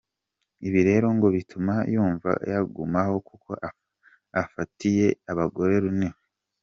Ibi rero ngo bituma yumva yagumaho kuko afatiye abagore runini.